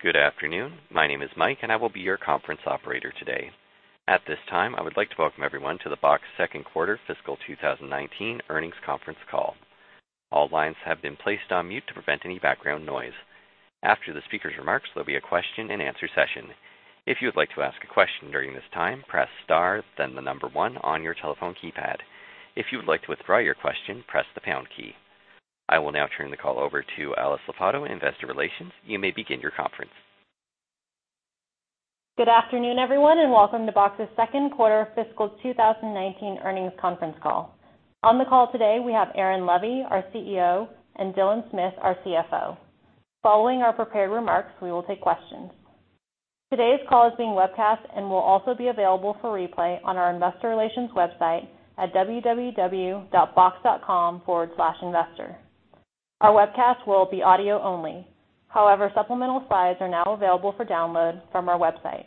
Good afternoon. My name is Mike, and I will be your conference operator today. At this time, I would like to welcome everyone to the Box second quarter fiscal 2019 earnings conference call. All lines have been placed on mute to prevent any background noise. After the speaker's remarks, there'll be a question and answer session. If you would like to ask a question during this time, press star, then the number 1 on your telephone keypad. If you would like to withdraw your question, press the pound key. I will now turn the call over to Alice Lopatto, Investor Relations. You may begin your conference. Good afternoon, everyone, and welcome to Box's second quarter fiscal 2019 earnings conference call. On the call today, we have Aaron Levie, our CEO, and Dylan Smith, our CFO. Following our prepared remarks, we will take questions. Today's call is being webcast and will also be available for replay on our investor relations website at www.box.com/investors. Our webcast will be audio only. However, supplemental slides are now available for download from our website.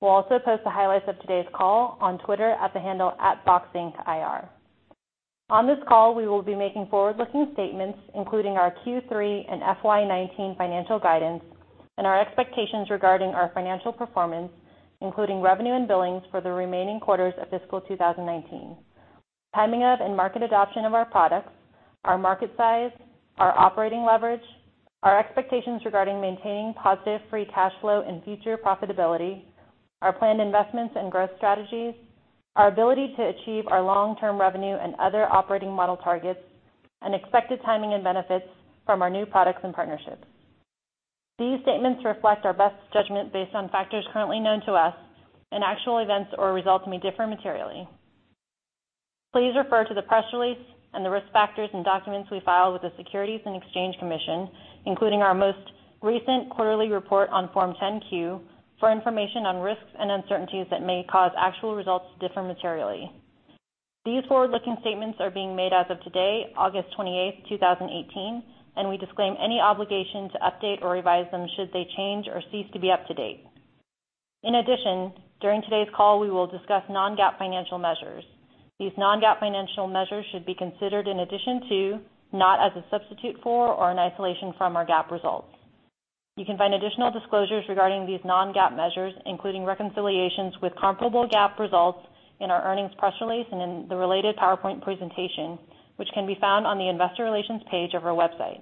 We'll also post the highlights of today's call on Twitter at the handle @BoxIncIR. On this call, we will be making forward-looking statements, including our Q3 and FY 2019 financial guidance and our expectations regarding our financial performance, including revenue and billings for the remaining quarters of fiscal 2019, timing of and market adoption of our products, our market size, our operating leverage, our expectations regarding maintaining positive free cash flow and future profitability, our planned investments and growth strategies, our ability to achieve our long-term revenue and other operating model targets, and expected timing and benefits from our new products and partnerships. These statements reflect our best judgment based on factors currently known to us, and actual events or results may differ materially. Please refer to the press release and the risk factors and documents we file with the Securities and Exchange Commission, including our most recent quarterly report on Form 10-Q, for information on risks and uncertainties that may cause actual results to differ materially. These forward-looking statements are being made as of today, August 28th, 2018, and we disclaim any obligation to update or revise them should they change or cease to be up to date. In addition, during today's call, we will discuss non-GAAP financial measures. These non-GAAP financial measures should be considered in addition to, not as a substitute for, or in isolation from our GAAP results. You can find additional disclosures regarding these non-GAAP measures, including reconciliations with comparable GAAP results, in our earnings press release and in the related PowerPoint presentation, which can be found on the Investor Relations page of our website.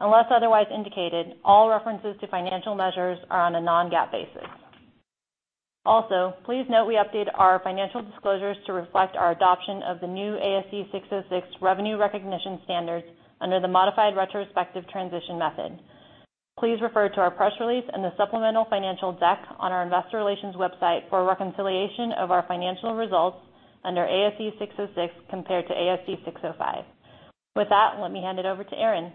Unless otherwise indicated, all references to financial measures are on a non-GAAP basis. Also, please note we update our financial disclosures to reflect our adoption of the new ASC 606 revenue recognition standards under the modified retrospective transition method. Please refer to our press release and the supplemental financial deck on our investor relations website for a reconciliation of our financial results under ASC 606 compared to ASC 605. With that, let me hand it over to Aaron.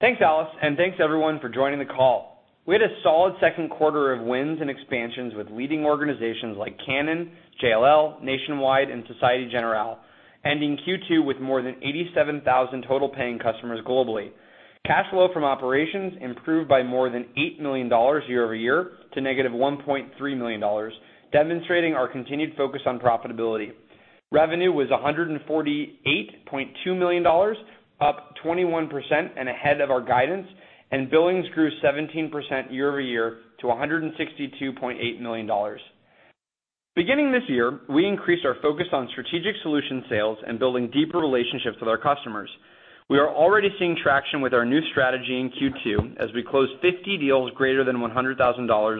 Thanks, Alice. Thanks everyone for joining the call. We had a solid second quarter of wins and expansions with leading organizations like Canon, JLL, Nationwide, and Société Générale, ending Q2 with more than 87,000 total paying customers globally. Cash flow from operations improved by more than $8 million year-over-year to negative $1.3 million, demonstrating our continued focus on profitability. Revenue was $148.2 million, up 21% and ahead of our guidance. Billings grew 17% year-over-year to $162.8 million. Beginning this year, we increased our focus on strategic solution sales and building deeper relationships with our customers. We are already seeing traction with our new strategy in Q2 as we closed 50 deals greater than $100,000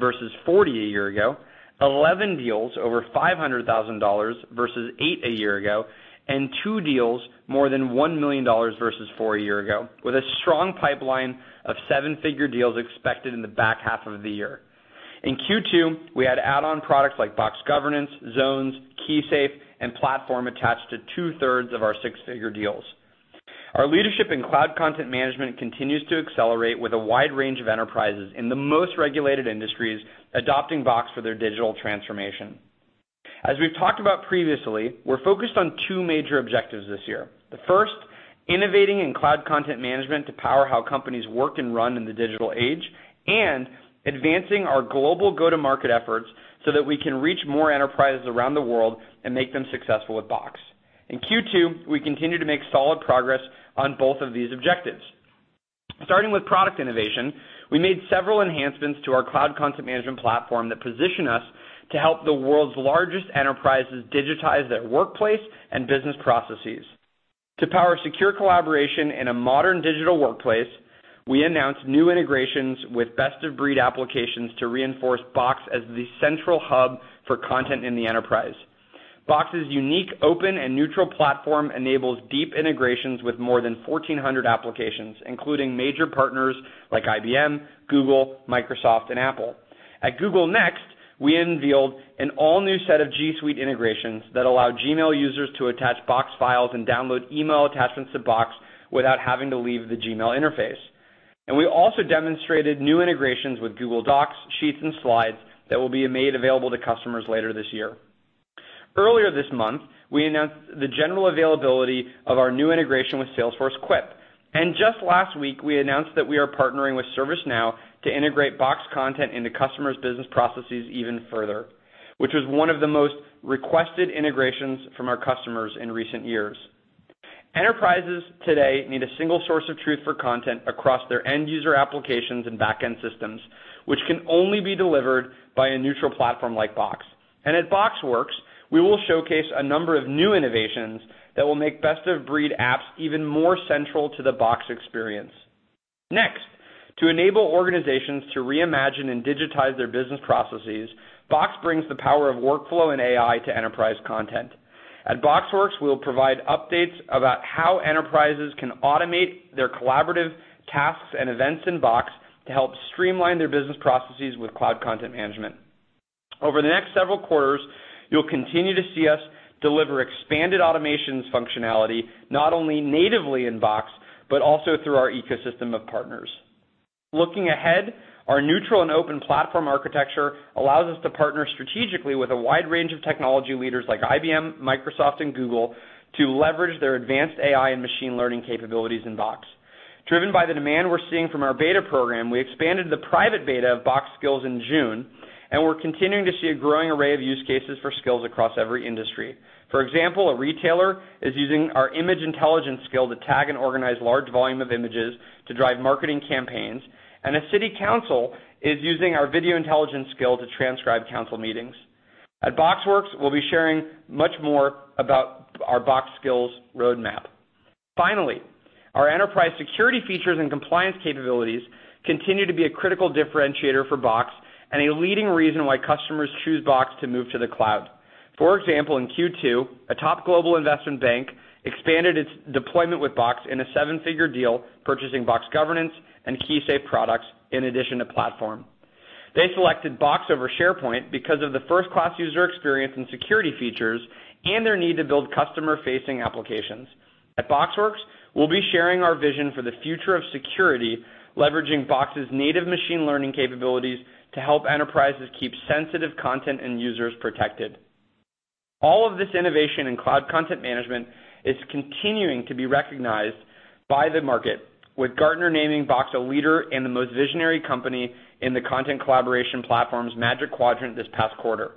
versus 40 a year ago, 11 deals over $500,000 versus eight a year ago, and two deals more than $1 million versus four a year ago, with a strong pipeline of seven-figure deals expected in the back half of the year. In Q2, we had add-on products like Box Governance, Zones, KeySafe, and Platform attached to two-thirds of our six-figure deals. Our leadership in cloud content management continues to accelerate with a wide range of enterprises in the most regulated industries adopting Box for their digital transformation. As we've talked about previously, we're focused on two major objectives this year. The first, innovating in cloud content management to power how companies work and run in the digital age, and advancing our global go-to-market efforts so that we can reach more enterprises around the world and make them successful with Box. In Q2, we continued to make solid progress on both of these objectives. Starting with product innovation, we made several enhancements to our cloud content management platform that position us to help the world's largest enterprises digitize their workplace and business processes. To power secure collaboration in a modern digital workplace, we announced new integrations with best-of-breed applications to reinforce Box as the central hub for content in the enterprise. Box's unique, open, and neutral platform enables deep integrations with more than 1,400 applications, including major partners like IBM, Google, Microsoft, and Apple. At Google Next, we unveiled an all-new set of G Suite integrations that allow Gmail users to attach Box files and download email attachments to Box without having to leave the Gmail interface. We also demonstrated new integrations with Google Docs, Sheets, and Slides that will be made available to customers later this year. Earlier this month, we announced the general availability of our new integration with Salesforce Quip, and just last week, we announced that we are partnering with ServiceNow to integrate Box content into customers' business processes even further, which was one of the most requested integrations from our customers in recent years. Enterprises today need a single source of truth for content across their end-user applications and back-end systems, which can only be delivered by a neutral platform like Box. At BoxWorks, we will showcase a number of new innovations that will make best-of-breed apps even more central to the Box experience. Next, to enable organizations to reimagine and digitize their business processes, Box brings the power of workflow and AI to enterprise content. At BoxWorks, we will provide updates about how enterprises can automate their collaborative tasks and events in Box to help streamline their business processes with cloud content management. Over the next several quarters, you'll continue to see us deliver expanded automations functionality, not only natively in Box, but also through our ecosystem of partners. Looking ahead, our neutral and open platform architecture allows us to partner strategically with a wide range of technology leaders like IBM, Microsoft, and Google to leverage their advanced AI and machine learning capabilities in Box. Driven by the demand we're seeing from our beta program, we expanded the private beta of Box Skills in June, and we're continuing to see a growing array of use cases for Skills across every industry. For example, a retailer is using our image intelligence skill to tag and organize large volume of images to drive marketing campaigns, and a city council is using our video intelligence skill to transcribe council meetings. At BoxWorks, we'll be sharing much more about our Box Skills roadmap. Finally, our enterprise security features and compliance capabilities continue to be a critical differentiator for Box and a leading reason why customers choose Box to move to the cloud. For example, in Q2, a top global investment bank expanded its deployment with Box in a seven-figure deal, purchasing Box Governance and KeySafe products in addition to Platform. They selected Box over SharePoint because of the first-class user experience and security features and their need to build customer-facing applications. At BoxWorks, we'll be sharing our vision for the future of security, leveraging Box's native machine learning capabilities to help enterprises keep sensitive content and users protected. All of this innovation in cloud content management is continuing to be recognized by the market, with Gartner naming Box a leader and the most visionary company in the content collaboration platform's Magic Quadrant this past quarter.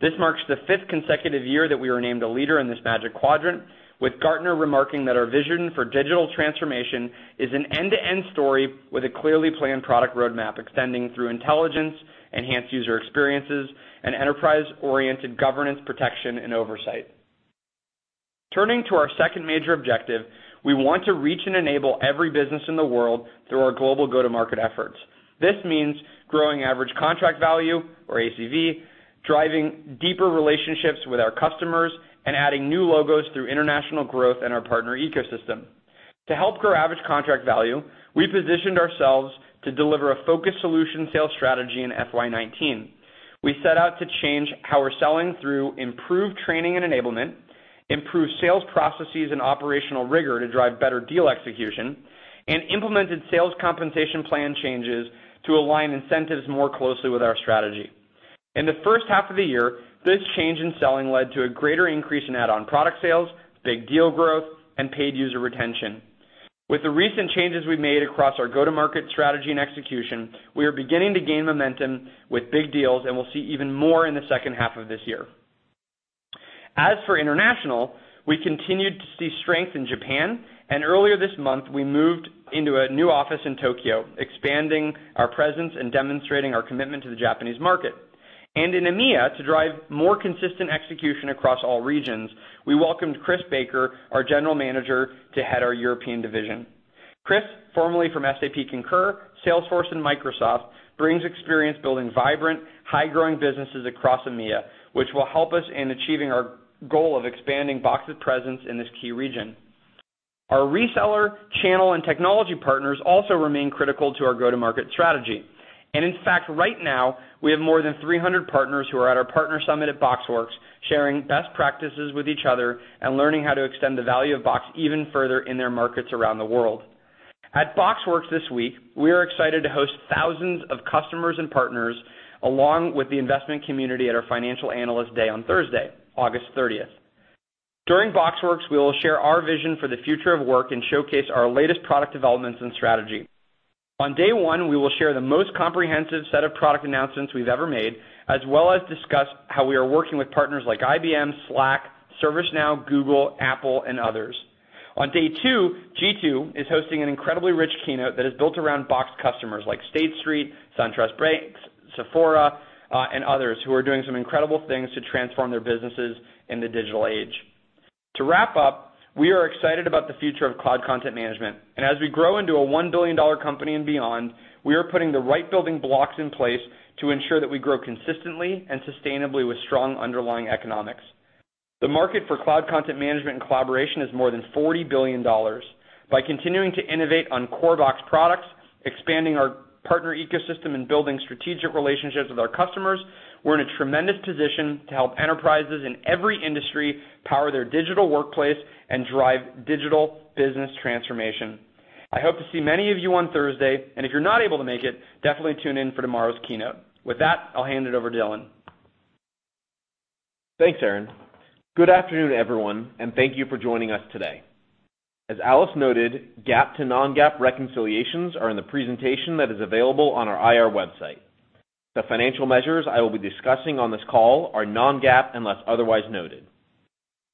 This marks the fifth consecutive year that we were named a leader in this Magic Quadrant, with Gartner remarking that our vision for digital transformation is an end-to-end story with a clearly planned product roadmap extending through intelligence, enhanced user experiences, and enterprise-oriented governance, protection, and oversight. Turning to our second major objective, we want to reach and enable every business in the world through our global go-to-market efforts. This means growing average contract value, or ACV, driving deeper relationships with our customers, and adding new logos through international growth and our partner ecosystem. To help grow average contract value, we positioned ourselves to deliver a focused solution sales strategy in FY 2019. We set out to change how we're selling through improved training and enablement, improved sales processes and operational rigor to drive better deal execution, and implemented sales compensation plan changes to align incentives more closely with our strategy. In the first half of the year, this change in selling led to a greater increase in add-on product sales, big deal growth, and paid user retention. With the recent changes we've made across our go-to-market strategy and execution, we are beginning to gain momentum with big deals, and we'll see even more in the second half of this year. As for international, we continued to see strength in Japan, and earlier this month, we moved into a new office in Tokyo, expanding our presence and demonstrating our commitment to the Japanese market. In EMEA, to drive more consistent execution across all regions, we welcomed Chris Baker, our general manager, to head our European division. Chris, formerly from SAP Concur, Salesforce, and Microsoft, brings experience building vibrant, high-growing businesses across EMEA, which will help us in achieving our goal of expanding Box's presence in this key region. Our reseller, channel, and technology partners also remain critical to our go-to-market strategy. In fact, right now, we have more than 300 partners who are at our partner summit at BoxWorks sharing best practices with each other and learning how to extend the value of Box even further in their markets around the world. At BoxWorks this week, we are excited to host thousands of customers and partners, along with the investment community at our Financial Analyst Day on Thursday, August 30th. During BoxWorks, we will share our vision for the future of work and showcase our latest product developments and strategy. On day one, we will share the most comprehensive set of product announcements we've ever made, as well as discuss how we are working with partners like IBM, Slack, ServiceNow, Google, Apple, and others. On day two, Jeetu is hosting an incredibly rich keynote that is built around Box customers like State Street, SunTrust Banks, Sephora, and others, who are doing some incredible things to transform their businesses in the digital age. To wrap up, we are excited about the future of cloud content management, and as we grow into a $1 billion company and beyond, we are putting the right building blocks in place to ensure that we grow consistently and sustainably with strong underlying economics. The market for cloud content management and collaboration is more than $40 billion. By continuing to innovate on core Box products, expanding our partner ecosystem, and building strategic relationships with our customers, we're in a tremendous position to help enterprises in every industry power their digital workplace and drive digital business transformation. I hope to see many of you on Thursday. If you're not able to make it, definitely tune in for tomorrow's keynote. With that, I'll hand it over to Dylan. Thanks, Aaron. Good afternoon, everyone, and thank you for joining us today. As Alice noted, GAAP to non-GAAP reconciliations are in the presentation that is available on our IR website. The financial measures I will be discussing on this call are non-GAAP unless otherwise noted.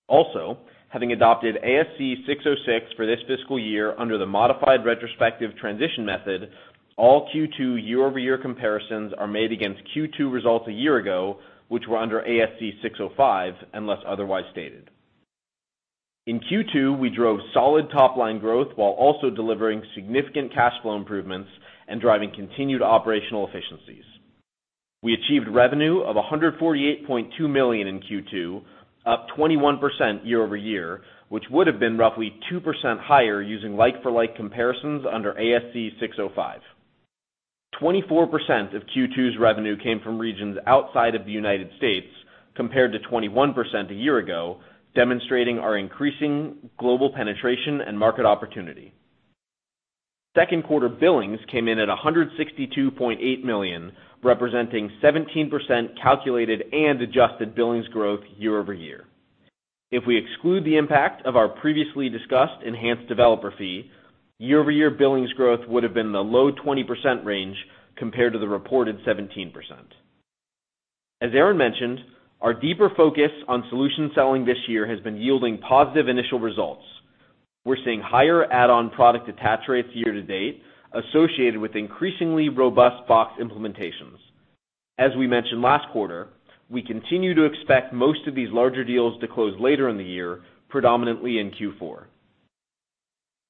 Also, having adopted ASC 606 for this fiscal year under the modified retrospective transition method, all Q2 year-over-year comparisons are made against Q2 results a year ago, which were under ASC 605, unless otherwise stated. In Q2, we drove solid top-line growth while also delivering significant cash flow improvements and driving continued operational efficiencies. We achieved revenue of $148.2 million in Q2, up 21% year-over-year, which would have been roughly 2% higher using like-for-like comparisons under ASC 605. 24% of Q2's revenue came from regions outside of the United States, compared to 21% a year ago, demonstrating our increasing global penetration and market opportunity. Second quarter billings came in at $162.8 million, representing 17% calculated and adjusted billings growth year-over-year. If we exclude the impact of our previously discussed enhanced developer fee, year-over-year billings growth would have been in the low 20% range compared to the reported 17%. As Aaron mentioned, our deeper focus on solution selling this year has been yielding positive initial results. We're seeing higher add-on product attach rates year-to-date associated with increasingly robust Box implementations. As we mentioned last quarter, we continue to expect most of these larger deals to close later in the year, predominantly in Q4.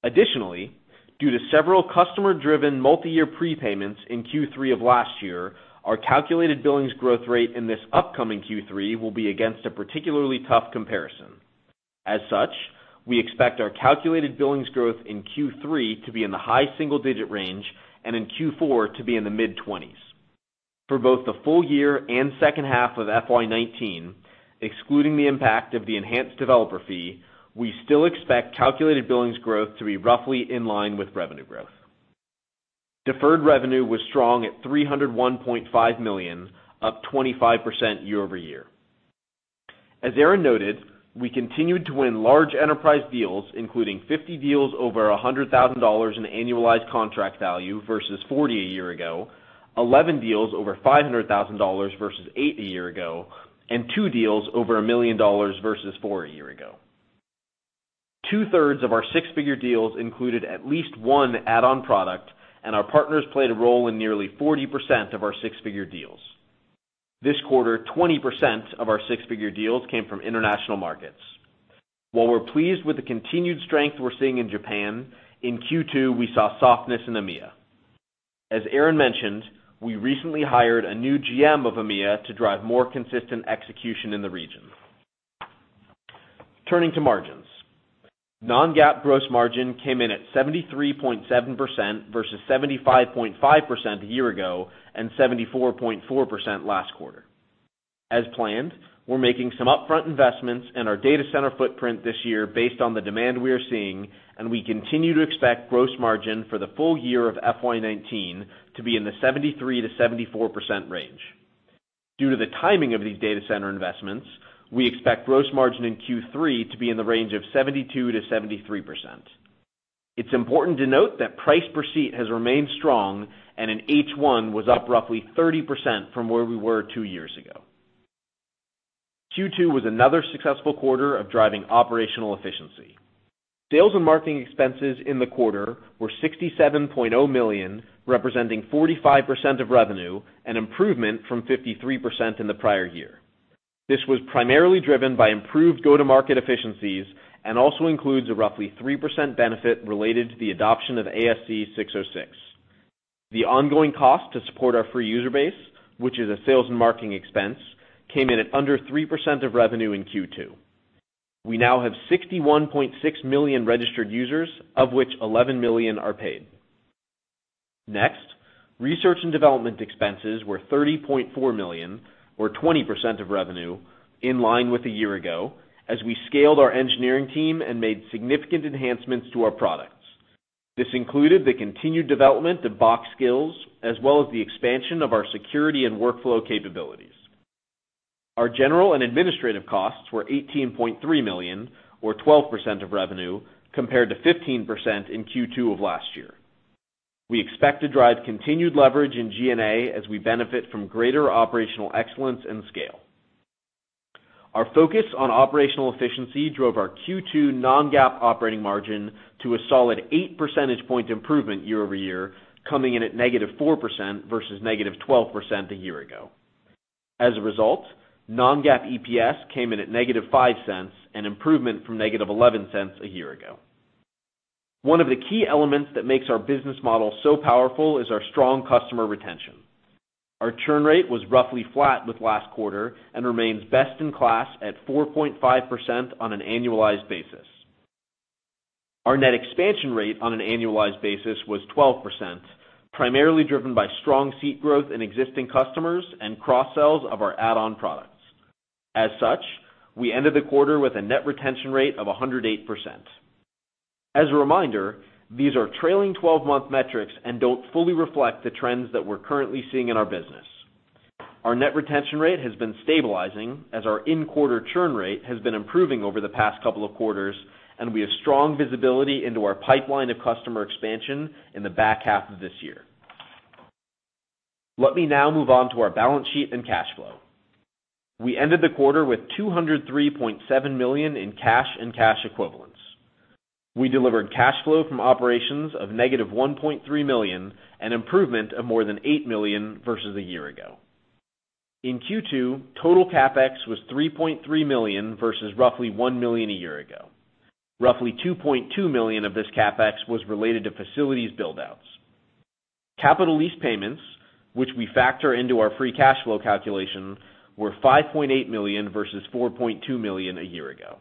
Additionally, due to several customer-driven multi-year prepayments in Q3 of last year, our calculated billings growth rate in this upcoming Q3 will be against a particularly tough comparison. We expect our calculated billings growth in Q3 to be in the high single-digit range and in Q4 to be in the mid-20s. For both the full year and second half of FY 2019, excluding the impact of the enhanced developer fee, we still expect calculated billings growth to be roughly in line with revenue growth. Deferred revenue was strong at $301.5 million, up 25% year-over-year. As Aaron noted, we continued to win large enterprise deals, including 50 deals over $100,000 in annualized contract value versus 40 a year ago, 11 deals over $500,000 versus eight a year ago, and two deals over a million dollars versus four a year ago. Two-thirds of our six-figure deals included at least one add-on product, and our partners played a role in nearly 40% of our six-figure deals. This quarter, 20% of our six-figure deals came from international markets. While we're pleased with the continued strength we're seeing in Japan, in Q2 we saw softness in EMEA. As Aaron mentioned, we recently hired a new GM of EMEA to drive more consistent execution in the region. Turning to margins. Non-GAAP gross margin came in at 73.7% versus 75.5% a year ago and 74.4% last quarter. As planned, we're making some upfront investments in our data center footprint this year based on the demand we are seeing, and we continue to expect gross margin for the full year of FY 2019 to be in the 73%-74% range. Due to the timing of these data center investments, we expect gross margin in Q3 to be in the range of 72%-73%. It's important to note that price per seat has remained strong and in H1 was up roughly 30% from where we were two years ago. Q2 was another successful quarter of driving operational efficiency. Sales and marketing expenses in the quarter were $67.0 million, representing 45% of revenue, an improvement from 53% in the prior year. This was primarily driven by improved go-to-market efficiencies and also includes a roughly 3% benefit related to the adoption of ASC 606. The ongoing cost to support our free user base, which is a sales and marketing expense, came in at under 3% of revenue in Q2. We now have 61.6 million registered users, of which 11 million are paid. Next, research and development expenses were $30.4 million or 20% of revenue, in line with a year ago, as we scaled our engineering team and made significant enhancements to our products. This included the continued development of Box Skills, as well as the expansion of our security and workflow capabilities. Our general and administrative costs were $18.3 million or 12% of revenue, compared to 15% in Q2 of last year. We expect to drive continued leverage in G&A as we benefit from greater operational excellence and scale. Our focus on operational efficiency drove our Q2 non-GAAP operating margin to a solid eight percentage point improvement year-over-year, coming in at negative 4% versus negative 12% a year ago. As a result, non-GAAP EPS came in at -$0.05, an improvement from -$0.11 a year ago. One of the key elements that makes our business model so powerful is our strong customer retention. Our churn rate was roughly flat with last quarter and remains best in class at 4.5% on an annualized basis. Our net expansion rate on an annualized basis was 12%, primarily driven by strong seat growth in existing customers and cross-sells of our add-on products. As such, we ended the quarter with a net retention rate of 108%. As a reminder, these are trailing 12-month metrics and don't fully reflect the trends that we're currently seeing in our business. Our net retention rate has been stabilizing as our in-quarter churn rate has been improving over the past couple of quarters, and we have strong visibility into our pipeline of customer expansion in the back half of this year. Let me now move on to our balance sheet and cash flow. We ended the quarter with $203.7 million in cash and cash equivalents. We delivered cash flow from operations of negative $1.3 million, an improvement of more than $8 million versus a year ago. In Q2, total CapEx was $3.3 million versus roughly $1 million a year ago. Roughly $2.2 million of this CapEx was related to facilities build-outs. Capital lease payments, which we factor into our free cash flow calculation, were $5.8 million versus $4.2 million a year ago.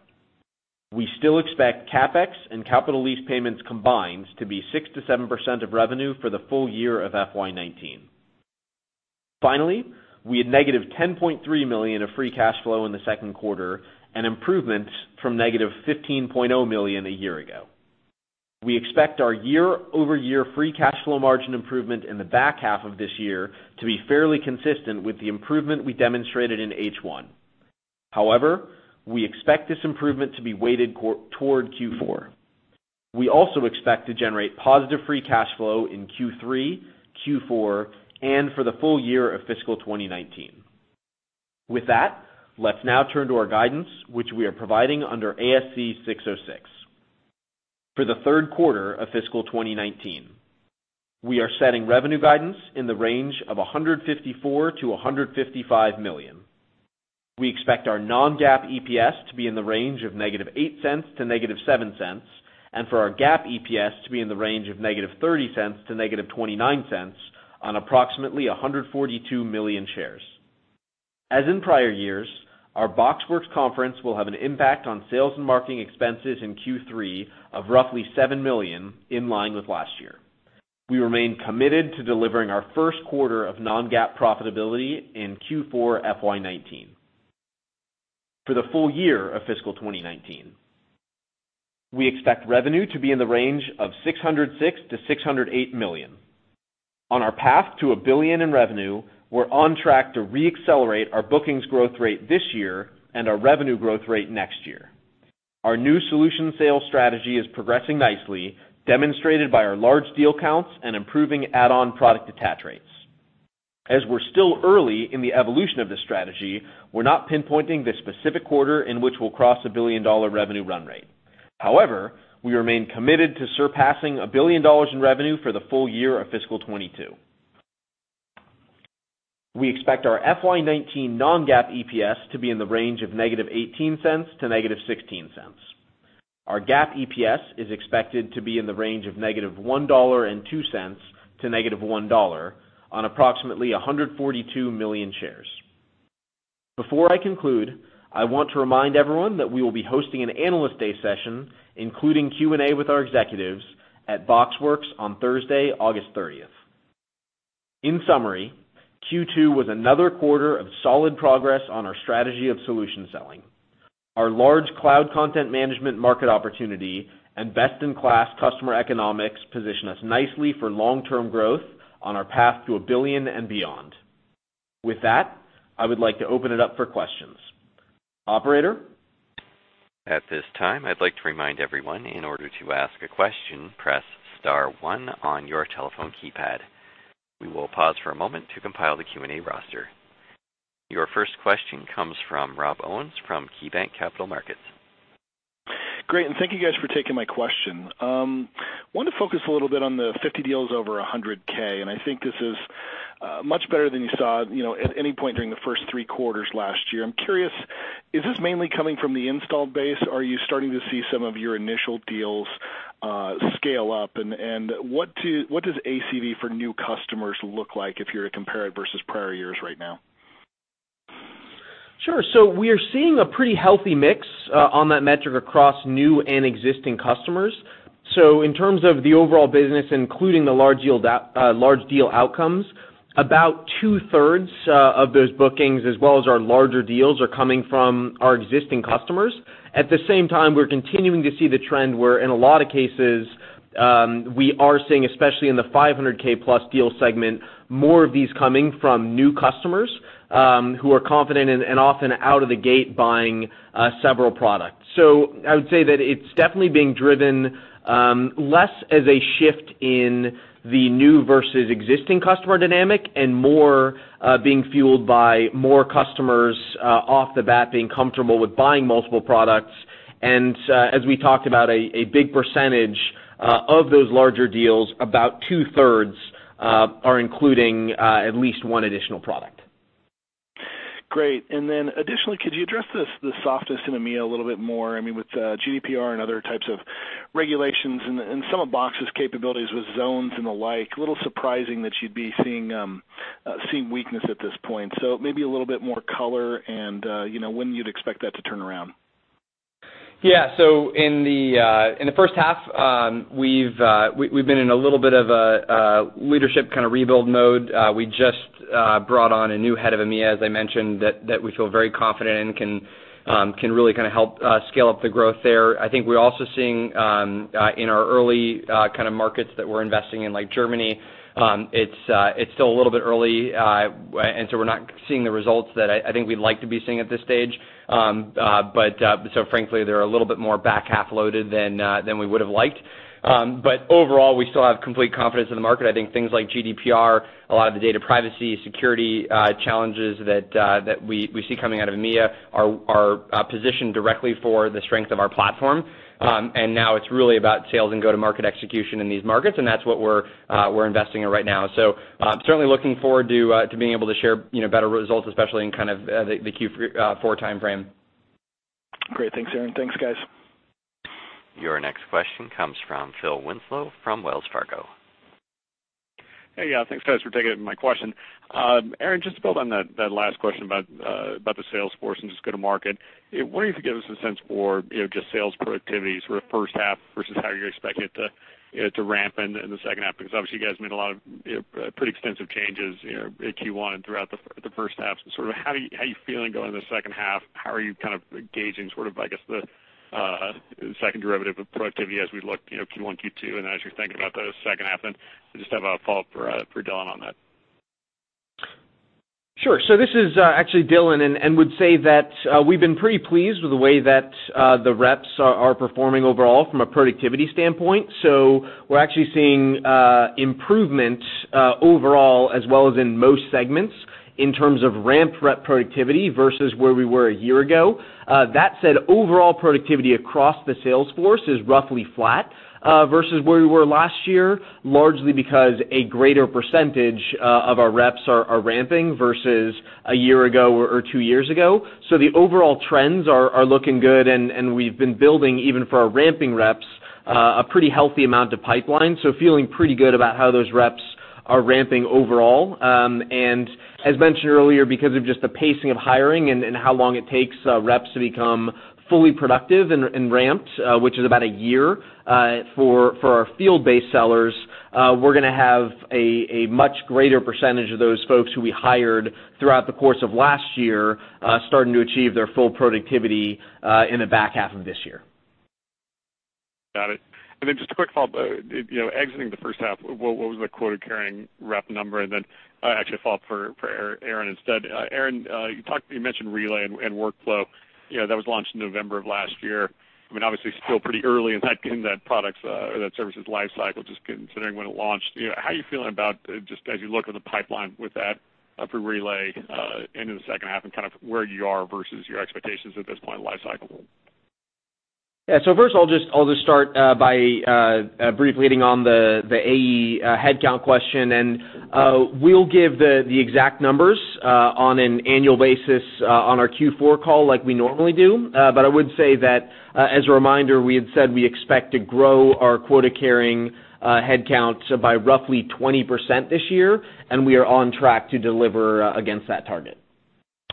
We still expect CapEx and capital lease payments combined to be 6%-7% of revenue for the full year of FY 2019. Finally, we had negative $10.3 million of free cash flow in the second quarter, an improvement from negative $15.0 million a year ago. We expect our year-over-year free cash flow margin improvement in the back half of this year to be fairly consistent with the improvement we demonstrated in H1. However, we expect this improvement to be weighted toward Q4. We also expect to generate positive free cash flow in Q3, Q4, and for the full year of fiscal 2019. With that, let's now turn to our guidance, which we are providing under ASC 606. For the third quarter of fiscal 2019, we are setting revenue guidance in the range of $154 million-$155 million. We expect our non-GAAP EPS to be in the range of negative $0.08 to negative $0.07, and for our GAAP EPS to be in the range of negative $0.30 to negative $0.29 on approximately 142 million shares. As in prior years, our BoxWorks conference will have an impact on sales and marketing expenses in Q3 of roughly $7 million, in line with last year. We remain committed to delivering our first quarter of non-GAAP profitability in Q4 FY 2019. For the full year of fiscal 2019, we expect revenue to be in the range of $606 million-$608 million. On our path to a billion in revenue, we are on track to re-accelerate our bookings growth rate this year and our revenue growth rate next year. Our new solution sales strategy is progressing nicely, demonstrated by our large deal counts and improving add-on product attach rates. As we are still early in the evolution of this strategy, we are not pinpointing the specific quarter in which we will cross a billion-dollar revenue run rate. However, we remain committed to surpassing a billion dollars in revenue for the full year of fiscal 2022. We expect our FY 2019 non-GAAP EPS to be in the range of negative $0.18 to negative $0.16. Our GAAP EPS is expected to be in the range of negative $1.02 to negative $1.00 on approximately 142 million shares. Before I conclude, I want to remind everyone that we will be hosting an analyst day session, including Q&A with our executives, at BoxWorks on Thursday, August 30th. In summary, Q2 was another quarter of solid progress on our strategy of solution selling. Our large cloud content management market opportunity and best-in-class customer economics position us nicely for long-term growth on our path to a billion and beyond. With that, I would like to open it up for questions. Operator? At this time, I'd like to remind everyone, in order to ask a question, press star 1 on your telephone keypad. We will pause for a moment to compile the Q&A roster. Your first question comes from Rob Owens from KeyBanc Capital Markets. Great, and thank you guys for taking my question. I wanted to focus a little bit on the 50 deals over 100K, and I think this is much better than you saw at any point during the first three quarters last year. I'm curious, is this mainly coming from the installed base? Are you starting to see some of your initial deals scale-up? What does ACV for new customers look like if you were to compare it versus prior years right now? Sure. We are seeing a pretty healthy mix on that metric across new and existing customers. In terms of the overall business, including the large deal outcomes, about two-thirds of those bookings, as well as our larger deals, are coming from our existing customers. At the same time, we're continuing to see the trend where, in a lot of cases, we are seeing, especially in the 500K-plus deal segment, more of these coming from new customers who are confident and often out of the gate buying several products. I would say that it's definitely being driven less as a shift in the new versus existing customer dynamic and more being fueled by more customers off the bat being comfortable with buying multiple products. As we talked about, a big percentage of those larger deals, about two-thirds, are including at least one additional product. Great. Additionally, could you address the softness in EMEA a little bit more? I mean, with GDPR and other types of regulations and some of Box's capabilities with Box Zones and the like, a little surprising that you'd be seeing weakness at this point. Maybe a little bit more color and when you'd expect that to turn around. Yeah. In the first half, we've been in a little bit of a leadership rebuild mode. We just Brought on a new head of EMEA, as I mentioned, that we feel very confident in, can really help scale up the growth there. I think we're also seeing, in our early markets that we're investing in, like Germany, it's still a little bit early, we're not seeing the results that I think we'd like to be seeing at this stage. Frankly, they're a little bit more back-half loaded than we would've liked. Overall, we still have complete confidence in the market. I think things like GDPR, a lot of the data privacy, security challenges that we see coming out of EMEA are positioned directly for the strength of our platform. Now it's really about sales and go-to-market execution in these markets, and that's what we're investing in right now. Certainly looking forward to being able to share better results, especially in the Q4 timeframe. Great. Thanks, Aaron. Thanks, guys. Your next question comes from Phil Winslow from Wells Fargo. Hey. Yeah. Thanks, guys, for taking my question. Aaron, just to build on that last question about the sales force and just go-to-market, I was wondering if you could give us a sense for just sales productivity sort of first half versus how you expect it to ramp in the second half, because obviously you guys made a lot of pretty extensive changes in Q1 and throughout the first half. How are you feeling going into the second half? How are you kind of gauging sort of, I guess, the second derivative of productivity as we look Q1, Q2, and as you're thinking about the second half then? I just have a follow-up for Dylan on that. Sure. This is actually Dylan, would say that we've been pretty pleased with the way that the reps are performing overall from a productivity standpoint. We're actually seeing improvement overall as well as in most segments in terms of ramped rep productivity versus where we were a year ago. That said, overall productivity across the sales force is roughly flat, versus where we were last year, largely because a greater percentage of our reps are ramping versus a year ago or two years ago. The overall trends are looking good, we've been building, even for our ramping reps, a pretty healthy amount of pipeline. Feeling pretty good about how those reps are ramping overall. As mentioned earlier, because of just the pacing of hiring and how long it takes reps to become fully productive and ramped, which is about a year, for our field-based sellers, we're going to have a much greater percentage of those folks who we hired throughout the course of last year, starting to achieve their full productivity in the back half of this year. Got it. Just a quick follow-up. Exiting the first half, what was the quota-carrying rep number? Actually a follow-up for Aaron instead. Aaron, you mentioned Relay and Workflow. That was launched in November of last year. I mean, obviously still pretty early in that service's life cycle, just considering when it launched. How are you feeling about, just as you look at the pipeline with that, for Relay into the second half and kind of where you are versus your expectations at this point in the life cycle? Yeah. First I'll just start by briefly hitting on the AE headcount question, and we'll give the exact numbers, on an annual basis, on our Q4 call like we normally do. I would say that, as a reminder, we had said we expect to grow our quota-carrying headcount by roughly 20% this year, and we are on track to deliver against that target.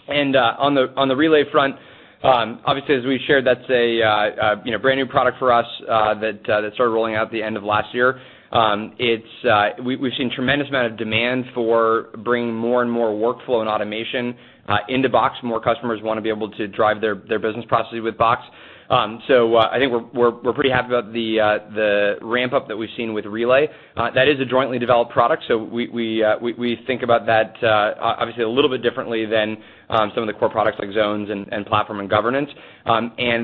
On the Relay front, obviously as we've shared, that's a brand new product for us, that started rolling out at the end of last year. We've seen tremendous amount of demand for bringing more and more workflow and automation into Box. More customers want to be able to drive their business processes with Box. I think we're pretty happy about the ramp-up that we've seen with Relay. That is a jointly developed product, we think about that obviously a little bit differently than some of the core products like Zones and Platform and Governance.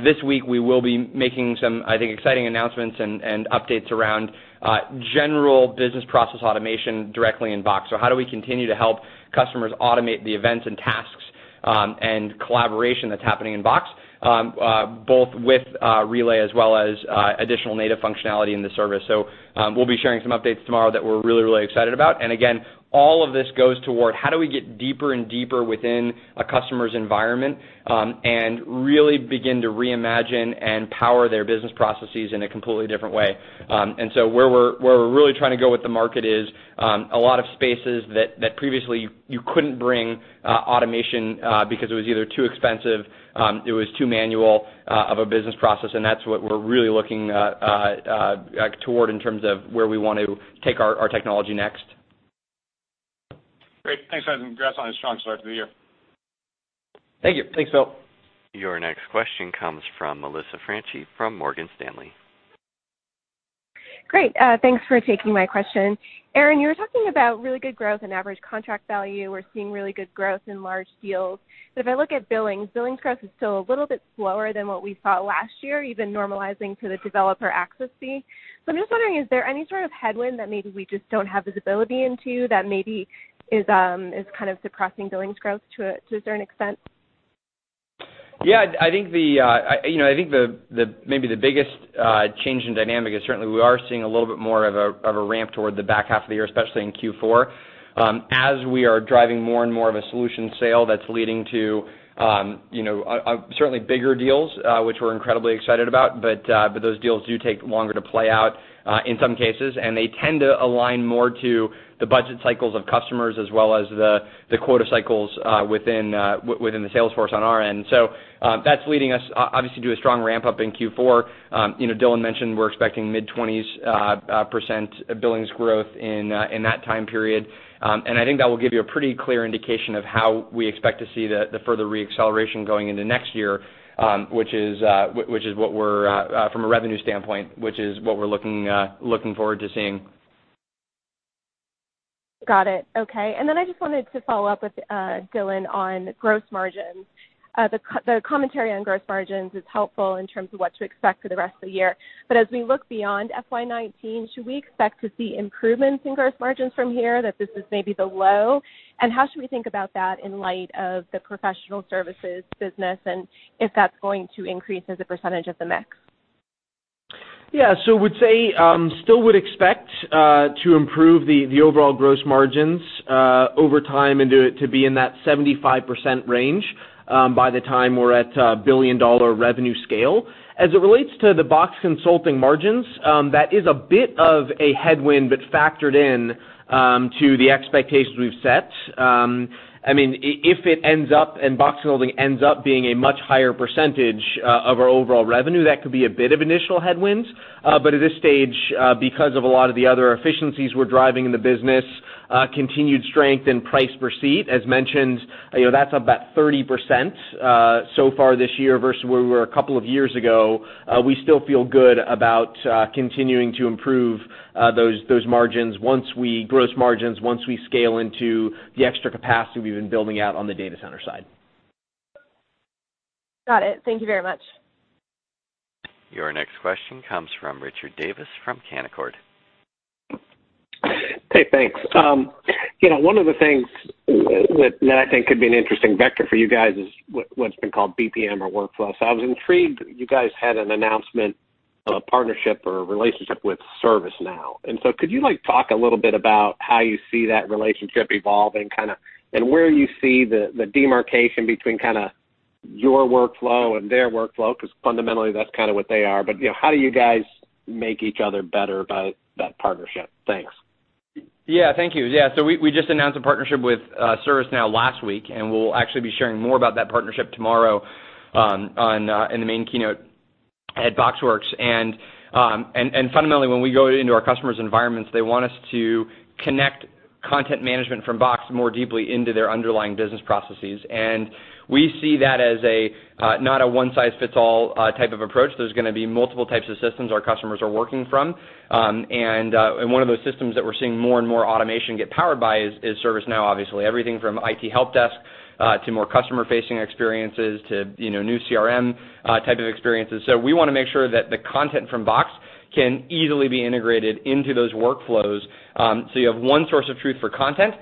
This week we will be making some, I think, exciting announcements and updates around general business process automation directly in Box. How do we continue to help customers automate the events and tasks, and collaboration that's happening in Box, both with Relay as well as additional native functionality in the service. We'll be sharing some updates tomorrow that we're really excited about. Again, all of this goes toward how do we get deeper and deeper within a customer's environment, and really begin to reimagine and power their business processes in a completely different way. Where we're really trying to go with the market is, a lot of spaces that previously you couldn't bring automation, because it was either too expensive, it was too manual of a business process, and that's what we're really looking toward in terms of where we want to take our technology next. Great. Thanks, guys, congrats on a strong start to the year. Thank you. Thanks, Phil. Your next question comes from Melissa Franchi from Morgan Stanley. Great. Thanks for taking my question. Aaron, you were talking about really good growth in average contract value. We're seeing really good growth in large deals. If I look at billings growth is still a little bit slower than what we saw last year, even normalizing to the developer access fee. I'm just wondering, is there any sort of headwind that maybe we just don't have visibility into that maybe is kind of suppressing billings growth to a certain extent? I think maybe the biggest change in dynamic is certainly we are seeing a little bit more of a ramp toward the back half of the year, especially in Q4. As we are driving more and more of a solution sale, that's leading to certainly bigger deals, which we're incredibly excited about. Those deals do take longer to play out, in some cases, and they tend to align more to the budget cycles of customers as well as the quota cycles within the sales force on our end. That's leading us obviously to a strong ramp-up in Q4. Dylan mentioned we're expecting mid-20s% billings growth in that time period. I think that will give you a pretty clear indication of how we expect to see the further re-acceleration going into next year, from a revenue standpoint, which is what we're looking forward to seeing. Got it. Okay. I just wanted to follow up with Dylan on gross margins. The commentary on gross margins is helpful in terms of what to expect for the rest of the year. As we look beyond FY 2019, should we expect to see improvements in gross margins from here, that this is maybe the low? How should we think about that in light of the professional services business and if that's going to increase as a % of the mix? Would say, still would expect to improve the overall gross margins over time and to be in that 75% range by the time we're at a billion-dollar revenue scale. As it relates to the Box Consulting margins, that is a bit of a headwind, but factored in to the expectations we've set. If it ends up, Box Consulting ends up being a much higher % of our overall revenue, that could be a bit of initial headwinds. At this stage, because of a lot of the other efficiencies we're driving in the business, continued strength in price per seat, as mentioned, that's up about 30% so far this year versus where we were a couple of years ago. We still feel good about continuing to improve those gross margins once we scale into the extra capacity we've been building out on the data center side. Got it. Thank you very much. Your next question comes from Richard Davis from Canaccord. Hey, thanks. One of the things that I think could be an interesting vector for you guys is what's been called BPM or workflow. I was intrigued you guys had an announcement, a partnership or a relationship with ServiceNow. Could you talk a little bit about how you see that relationship evolving, and where you see the demarcation between your workflow and their workflow? Fundamentally, that's what they are. How do you guys make each other better by that partnership? Thanks. Yeah, thank you. We just announced a partnership with ServiceNow last week, and we'll actually be sharing more about that partnership tomorrow in the main keynote at BoxWorks. Fundamentally, when we go into our customers' environments, they want us to connect content management from Box more deeply into their underlying business processes. We see that as not a one-size-fits-all type of approach. There's going to be multiple types of systems our customers are working from. One of those systems that we're seeing more and more automation get powered by is ServiceNow, obviously. Everything from IT help desk, to more customer-facing experiences, to new CRM type of experiences. We want to make sure that the content from Box can easily be integrated into those workflows. You have one source of truth for content,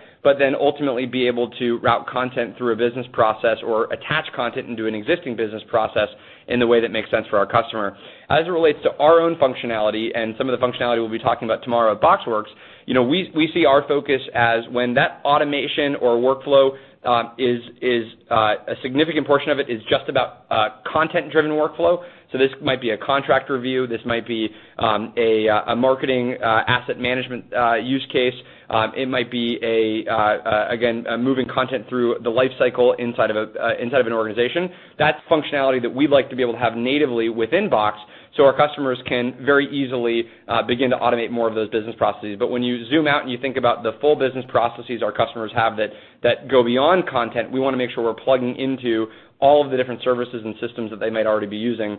ultimately be able to route content through a business process or attach content into an existing business process in a way that makes sense for our customer. As it relates to our own functionality and some of the functionality we'll be talking about tomorrow at BoxWorks, we see our focus as when that automation or workflow, a significant portion of it is just about content-driven workflow. This might be a contract review, this might be a marketing asset management use case. It might be, again, moving content through the life cycle inside of an organization. That's functionality that we'd like to be able to have natively within Box so our customers can very easily begin to automate more of those business processes. When you zoom out and you think about the full business processes our customers have that go beyond content, we want to make sure we're plugging into all of the different services and systems that they might already be using,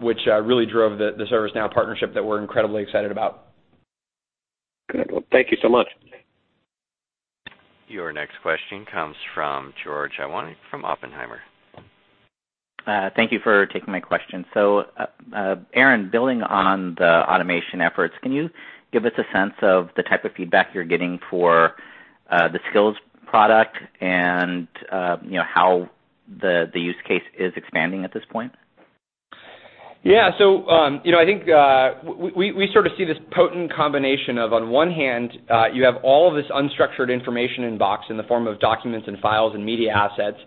which really drove the ServiceNow partnership that we're incredibly excited about. Good. Well, thank you so much. Your next question comes from George Iwanyc from Oppenheimer. Thank you for taking my question. Aaron, building on the automation efforts, can you give us a sense of the type of feedback you're getting for the Skills product and how the use case is expanding at this point? Yeah. I think we sort of see this potent combination of, on one hand, you have all of this unstructured information in Box in the form of documents and files and media assets,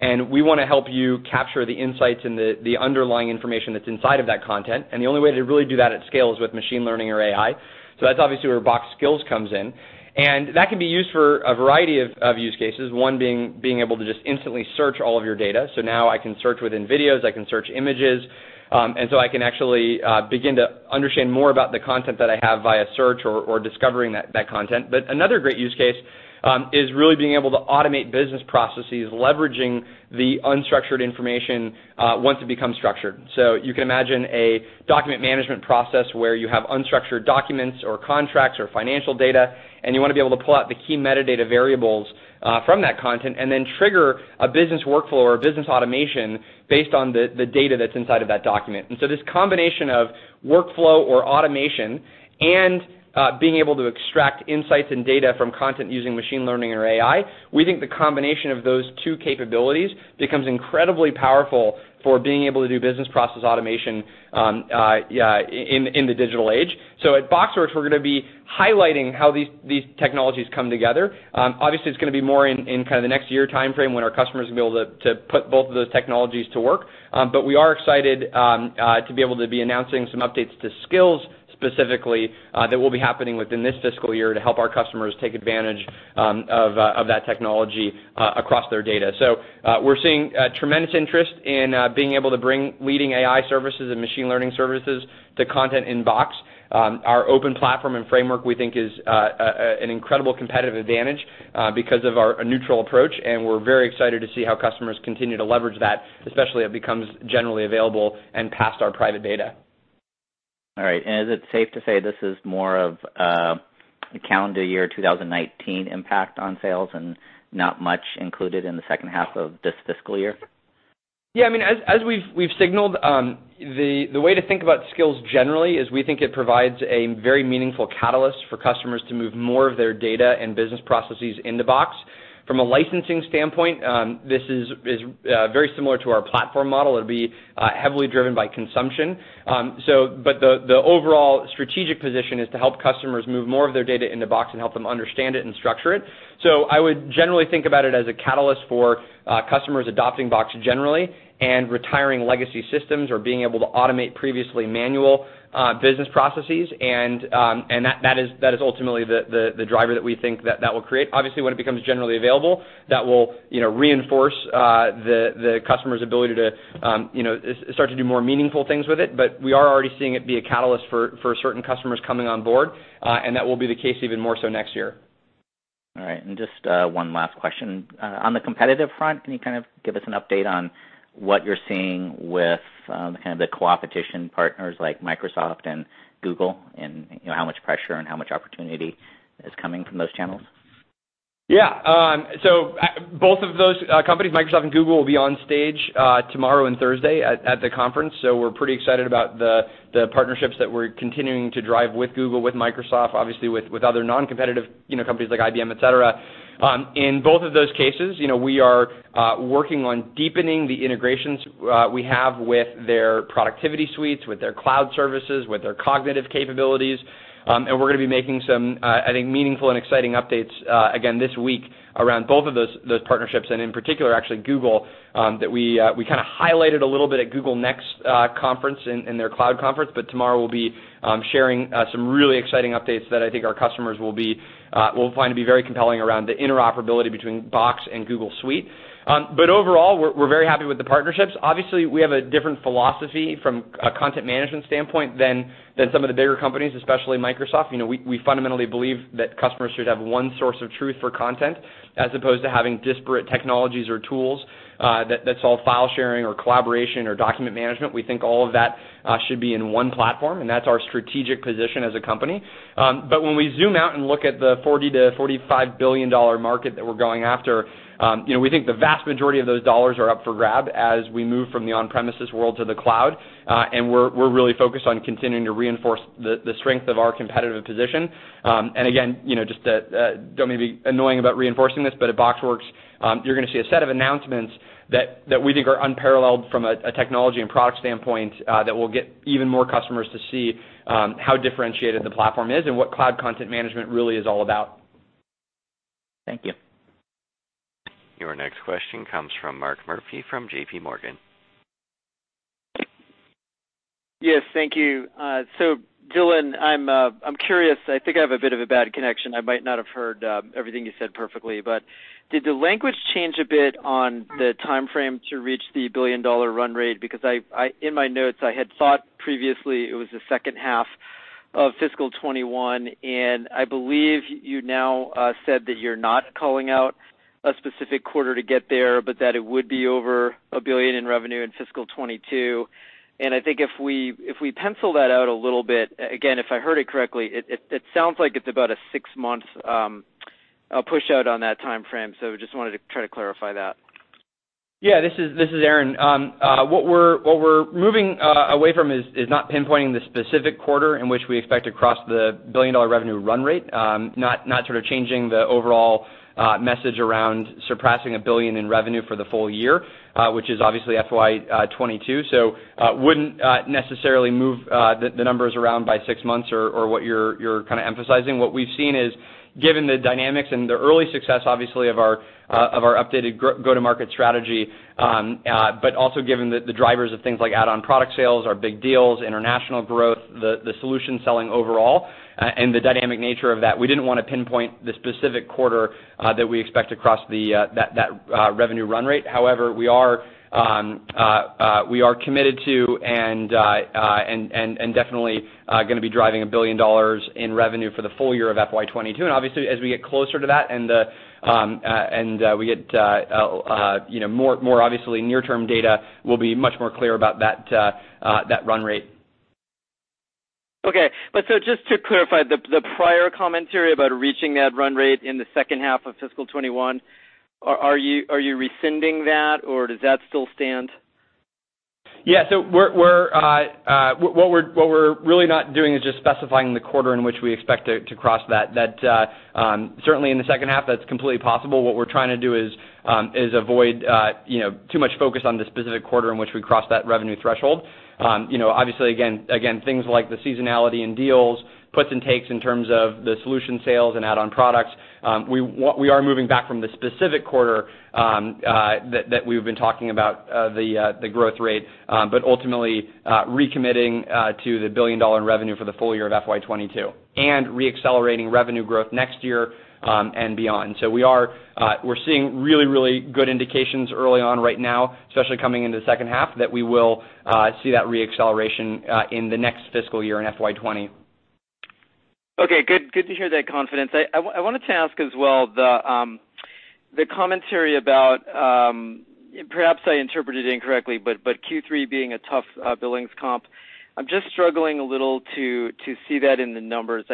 and we want to help you capture the insights and the underlying information that's inside of that content, and the only way to really do that at scale is with machine learning or AI. That's obviously where Box Skills comes in, and that can be used for a variety of use cases, one being able to just instantly search all of your data. Now I can search within videos, I can search images. I can actually begin to understand more about the content that I have via search or discovering that content. Another great use case is really being able to automate business processes, leveraging the unstructured information once it becomes structured. You can imagine a document management process where you have unstructured documents or contracts or financial data, and you want to be able to pull out the key metadata variables from that content and then trigger a business workflow or a business automation based on the data that's inside of that document. This combination of workflow or automation and being able to extract insights and data from content using machine learning or AI, we think the combination of those two capabilities becomes incredibly powerful for being able to do business process automation in the digital age. At BoxWorks, we're going to be highlighting how these technologies come together. Obviously, it's going to be more in the next year timeframe when our customers will be able to put both of those technologies to work. We are excited to be able to be announcing some updates to Skills specifically, that will be happening within this fiscal year to help our customers take advantage of that technology across their data. We're seeing tremendous interest in being able to bring leading AI services and machine learning services to content in Box. Our open platform and framework, we think, is an incredible competitive advantage because of our neutral approach, and we're very excited to see how customers continue to leverage that, especially as it becomes generally available and past our private beta. All right. Is it safe to say this is more of a calendar year 2019 impact on sales, and not much included in the second half of this fiscal year? Yeah, as we've signaled, the way to think about Skills generally is we think it provides a very meaningful catalyst for customers to move more of their data and business processes into Box. From a licensing standpoint, this is very similar to our platform model. It will be heavily driven by consumption. The overall strategic position is to help customers move more of their data into Box and help them understand it and structure it. I would generally think about it as a catalyst for customers adopting Box generally and retiring legacy systems or being able to automate previously manual business processes, and that is ultimately the driver that we think that will create. Obviously, when it becomes generally available, that will reinforce the customer's ability to start to do more meaningful things with it. We are already seeing it be a catalyst for certain customers coming on board. That will be the case even more so next year. All right. Just one last question. On the competitive front, can you give us an update on what you're seeing with the competition partners like Microsoft and Google, and how much pressure and how much opportunity is coming from those channels? Yeah. Both of those companies, Microsoft and Google, will be on stage tomorrow and Thursday at the conference. We're pretty excited about the partnerships that we're continuing to drive with Google, with Microsoft, obviously with other non-competitive companies like IBM, et cetera. In both of those cases, we are working on deepening the integrations we have with their productivity suites, with their cloud services, with their cognitive capabilities. We're going to be making some, I think meaningful and exciting updates again this week around both of those partnerships, and in particular, actually Google, that we highlighted a little bit at Google Cloud Next conference in their cloud conference. Tomorrow we'll be sharing some really exciting updates that I think our customers will find to be very compelling around the interoperability between Box and G Suite. Overall, we're very happy with the partnerships. Obviously, we have a different philosophy from a content management standpoint than some of the bigger companies, especially Microsoft. We fundamentally believe that customers should have one source of truth for content as opposed to having disparate technologies or tools that solve file sharing or collaboration or document management. We think all of that should be in one platform, and that's our strategic position as a company. When we zoom out and look at the $40 billion-$45 billion market that we're going after, we think the vast majority of those dollars are up for grabs as we move from the on-premises world to the cloud. We're really focused on continuing to reinforce the strength of our competitive position. Again, just don't mean to be annoying about reinforcing this, at BoxWorks, you're going to see a set of announcements that we think are unparalleled from a technology and product standpoint that will get even more customers to see how differentiated the platform is and what cloud content management really is all about. Thank you. Your next question comes from Mark Murphy from JP Morgan. Yes. Thank you. Dylan, I'm curious. I think I have a bit of a bad connection. I might not have heard everything you said perfectly, but did the language change a bit on the timeframe to reach the $1 billion run rate? In my notes, I had thought previously it was the second half of FY 2021, and I believe you now said that you're not calling out a specific quarter to get there, but that it would be over $1 billion in revenue in FY 2022. I think if we pencil that out a little bit, again, if I heard it correctly, it sounds like it's about a 6-month push out on that timeframe. Just wanted to try to clarify that. Yeah, this is Aaron. What we're moving away from is not pinpointing the specific quarter in which we expect to cross the $1 billion revenue run rate. Not changing the overall message around surpassing $1 billion in revenue for the full year, which is obviously FY 2022. Wouldn't necessarily move the numbers around by 6 months or what you're emphasizing. What we've seen is, given the dynamics and the early success, obviously, of our updated go-to-market strategy, but also given the drivers of things like add-on product sales, our big deals, international growth, the solution selling overall, and the dynamic nature of that, we didn't want to pinpoint the specific quarter that we expect to cross that revenue run rate. However, we are committed to and definitely going to be driving $1 billion in revenue for the full year of FY 2022. Obviously, as we get closer to that and we get more obviously near-term data, we'll be much more clear about that run rate. Just to clarify, the prior commentary about reaching that run rate in the second half of FY 2021, are you rescinding that, or does that still stand? Yeah. What we're really not doing is just specifying the quarter in which we expect to cross that. Certainly, in the second half, that's completely possible. What we're trying to do is avoid too much focus on the specific quarter in which we cross that revenue threshold. Obviously again, things like the seasonality in deals, puts and takes in terms of the solution sales and add-on products. We are moving back from the specific quarter that we've been talking about the growth rate, but ultimately recommitting to the $1 billion revenue for the full year of FY 2022 and re-accelerating revenue growth next year and beyond. We're seeing really good indications early on right now, especially coming into the second half, that we will see that re-acceleration in the next fiscal year, in FY 2020. Okay, good to hear that confidence. I wanted to ask as well, the commentary about, perhaps I interpreted incorrectly, but Q3 being a tough billings comp. I'm just struggling a little to see that in the numbers.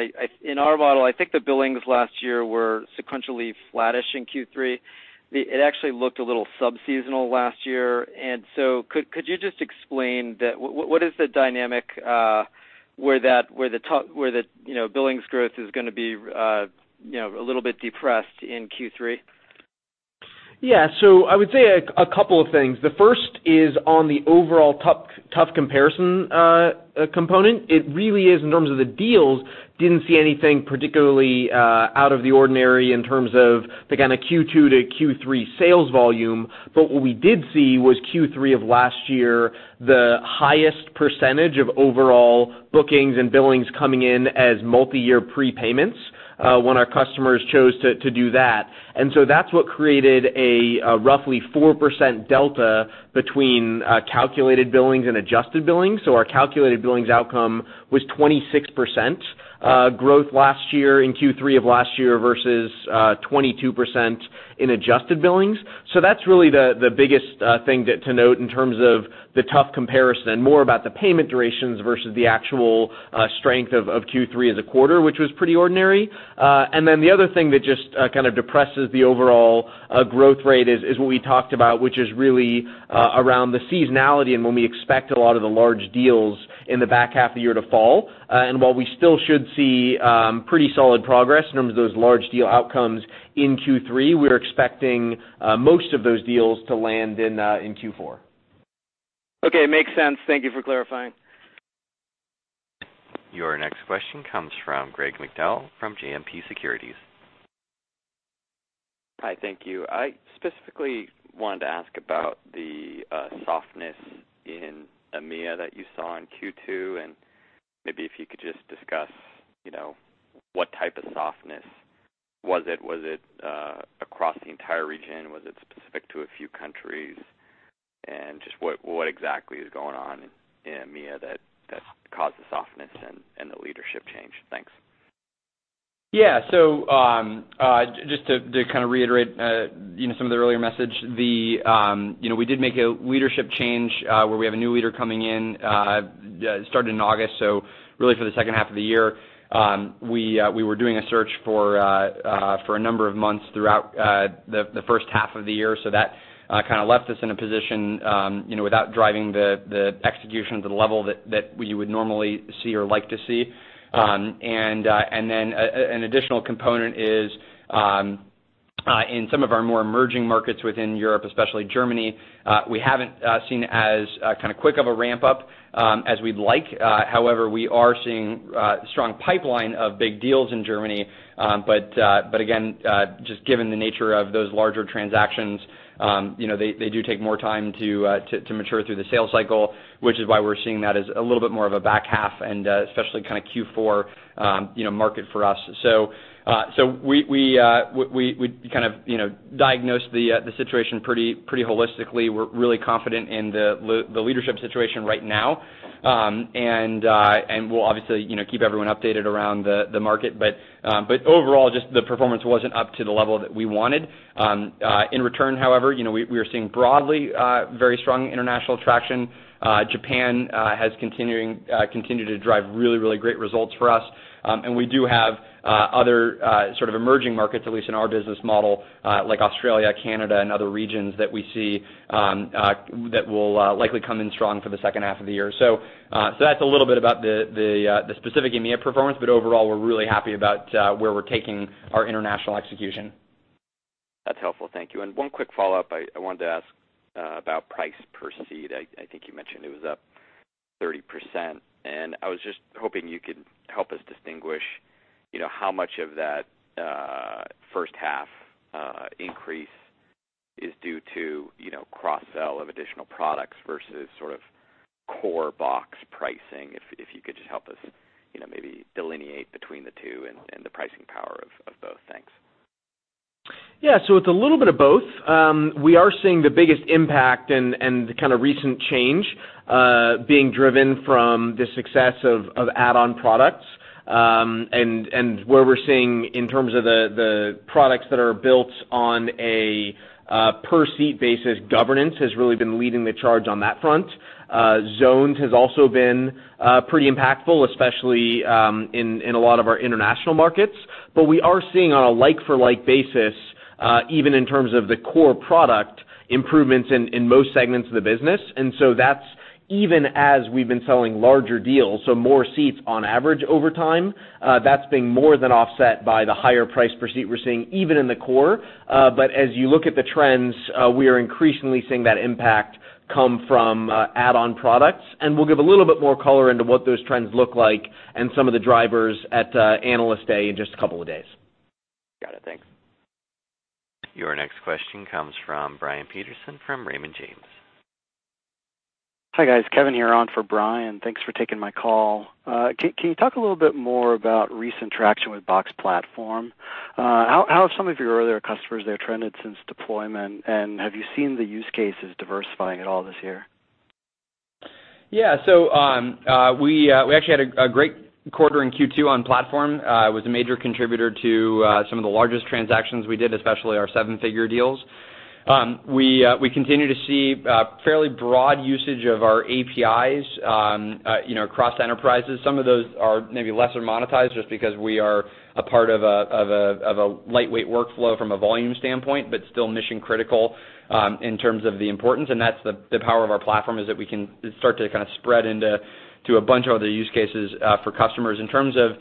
In our model, I think the billings last year were sequentially flattish in Q3. It actually looked a little sub-seasonal last year. Could you just explain, what is the dynamic where the billings growth is going to be a little bit depressed in Q3? Yeah. I would say a couple of things. The first is on the overall tough comparison component. It really is in terms of the deals, didn't see anything particularly out of the ordinary in terms of the kind of Q2 to Q3 sales volume. What we did see was Q3 of last year, the highest percentage of overall bookings and billings coming in as multi-year prepayments, when our customers chose to do that. That's what created a roughly 4% delta between calculated billings and adjusted billings. Our calculated billings outcome was 26% growth last year in Q3 of last year versus 22% in adjusted billings. That's really the biggest thing to note in terms of the tough comparison, more about the payment durations versus the actual strength of Q3 as a quarter, which was pretty ordinary. The other thing that just kind of depresses the overall growth rate is what we talked about, which is really around the seasonality and when we expect a lot of the large deals in the back half of the year to fall. While we still should see pretty solid progress in terms of those large deal outcomes in Q3, we're expecting most of those deals to land in Q4. Okay. Makes sense. Thank you for clarifying. Your next question comes from Pat Walravens from JMP Securities. Hi, thank you. I specifically wanted to ask about the softness in EMEA that you saw in Q2, and maybe if you could just discuss what type of softness was it. Was it across the entire region? Was it specific to a few countries? Just what exactly is going on in EMEA that caused the softness and the leadership change? Thanks. Just to reiterate some of the earlier message. We did make a leadership change, where we have a new leader coming in, started in August. Really for the second half of the year. We were doing a search for a number of months throughout the first half of the year. That kind of left us in a position without driving the execution to the level that you would normally see or like to see. An additional component is, in some of our more emerging markets within Europe, especially Germany, we haven't seen as kind of quick of a ramp-up as we'd like. However, we are seeing a strong pipeline of big deals in Germany. Again, just given the nature of those larger transactions, they do take more time to mature through the sales cycle, which is why we're seeing that as a little bit more of a back half and especially Q4 market for us. We diagnosed the situation pretty holistically. We're really confident in the leadership situation right now. We'll obviously keep everyone updated around the market. Overall, just the performance wasn't up to the level that we wanted. In return, however, we are seeing broadly very strong international traction. Japan has continued to drive really great results for us. We do have other sort of emerging markets, at least in our business model, like Australia, Canada, and other regions that we see that will likely come in strong for the second half of the year. That's a little bit about the specific EMEA performance, but overall, we're really happy about where we're taking our international execution. That's helpful. Thank you. One quick follow-up. I wanted to ask about price per seat. I think you mentioned it was up 30%, I was just hoping you could help us distinguish how much of that first half increase is due to cross-sell of additional products versus sort of core Box pricing. If you could just help us maybe delineate between the two and the pricing power of both. Thanks. Yeah. It's a little bit of both. We are seeing the biggest impact and the kind of recent change being driven from the success of add-on products. Where we're seeing in terms of the products that are built on a per seat basis, Governance has really been leading the charge on that front. Zones has also been pretty impactful, especially in a lot of our international markets. We are seeing on a like-for-like basis, even in terms of the core product, improvements in most segments of the business. That's even as we've been selling larger deals, so more seats on average over time, that's being more than offset by the higher price per seat we're seeing even in the core. As you look at the trends, we are increasingly seeing that impact come from add-on products. We'll give a little bit more color into what those trends look like and some of the drivers at Analyst Day in just a couple of days. Got it. Thanks. Your next question comes from Brian Peterson from Raymond James. Hi, guys. Kevin here on for Brian. Thanks for taking my call. Can you talk a little bit more about recent traction with Box Platform? How have some of your earlier customers there trended since deployment, and have you seen the use cases diversifying at all this year? Yeah. We actually had a great quarter in Q2 on Platform, it was a major contributor to some of the largest transactions we did, especially our seven-figure deals. We continue to see fairly broad usage of our APIs across enterprises. Some of those are maybe lesser monetized just because we are a part of a lightweight workflow from a volume standpoint, but still mission-critical in terms of the importance. That's the power of our Platform, is that we can start to kind of spread into a bunch of other use cases for customers. In terms of